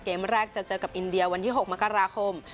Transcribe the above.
เกมแรกจะเจอกับอินเดียวันที่๖มกราคม